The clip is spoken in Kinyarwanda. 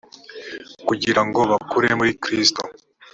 kugirango bakure muri kristo